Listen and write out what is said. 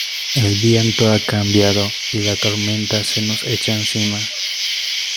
el viento ha cambiado y la tormenta se nos echa encima.